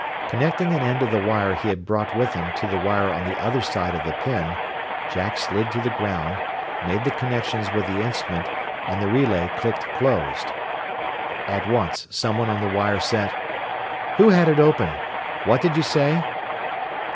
Connecting an end of the wire he had brought with him to the wire on the other side of the pin, Jack slid to the ground, made the connections with the instrument, and the relay clicked closed. At once someone on the wire sent, "Who had it open? What did you say?"